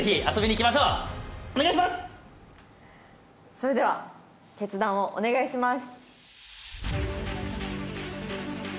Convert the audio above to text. それでは決断をお願いします。